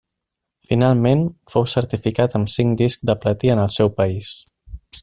Finalment fou certificat amb cinc discs de platí en el seu país.